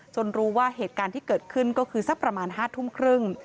รู้ว่าเหตุการณ์ที่เกิดขึ้นก็คือสักประมาณ๕ทุ่มครึ่ง